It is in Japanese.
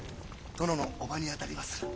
殿の叔母にあたりまする。